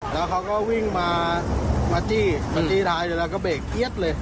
แล้วเขาก็วิ่งมามาจี้แล้วจี้ท้ายเดี๋ยวเราก็เบรกเอี๊ยดเลย